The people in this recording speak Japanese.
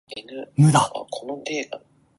無駄